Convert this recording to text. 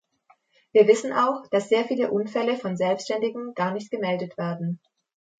Wir wissen auch, dass sehr viele Unfälle von Selbstständigen gar nicht gemeldet werden.